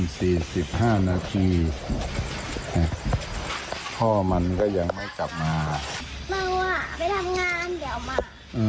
สี่สิบห้านาทีพ่อมันก็ยังไม่กลับมาเมาอ่ะไปทำงานเดี๋ยวมา